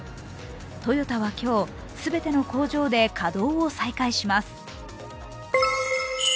トヨタは今日、全ての工場で稼働を再開します。